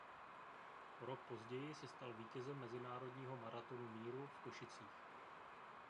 O rok později se stal vítězem Mezinárodního maratonu míru v Košicích.